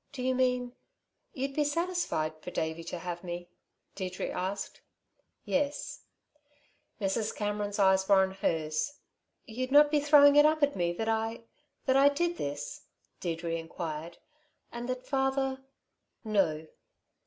"Do you mean ... you'd be satisfied for Davey to have me!" Deirdre asked. "Yes." Mrs. Cameron's eyes were on hers. "You'd not be throwing it up at me that I ... that I did this?" Deirdre inquired. "And that father " "No."